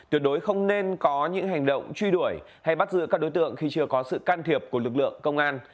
tuyệt đối không nên có những hành động truy đuổi hay bắt giữ các đối tượng khi chưa có sự can thiệp của lực lượng công an